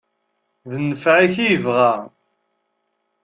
D nfeɛ-ik i yebɣa.